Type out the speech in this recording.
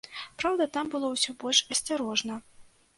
Праўда, там было ўсё больш асцярожна.